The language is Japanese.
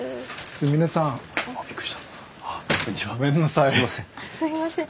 すいません。